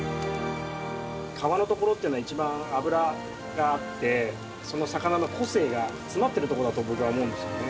皮のところというのは一番脂があってその魚の個性が詰まってるところだと僕は思うんですよね。